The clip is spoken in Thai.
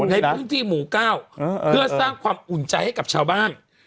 ในพื้นที่หมู่เก้าเพื่อสร้างความอุ่นใจให้กับชาวบ้าน